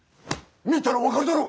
見たら分かるだろ！